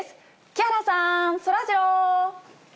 木原さん、そらジロー。